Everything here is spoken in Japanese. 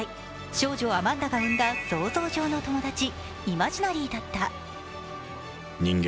少女アマンダが生んだ想像上の友達、イマジナリだった。